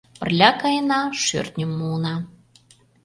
Пырля каена, шӧртньым муына...